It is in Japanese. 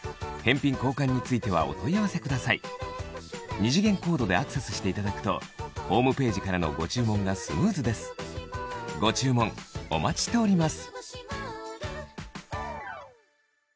二次元コードでアクセスしていただくとホームページからのご注文がスムーズですご注文お待ちしております